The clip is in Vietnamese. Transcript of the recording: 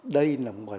đây là một cái